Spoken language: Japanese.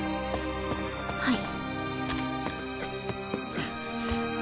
はい。